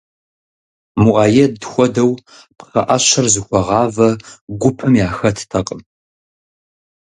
Муаед хуэдэу пхъэӀэщэр зыхуэгъавэ гупым яхэттэкъым.